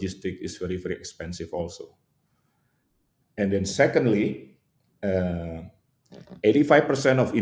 pemilik baru dengan gmv kurang dari satu juta rupiah per tahun